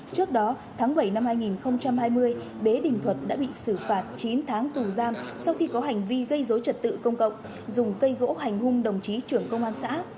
trước đó tháng bảy năm hai nghìn hai mươi bế đình thuật đã bị xử phạt chín tháng tù giam sau khi có hành vi gây dối trật tự công cộng dùng cây gỗ hành hung đồng chí trưởng công an xã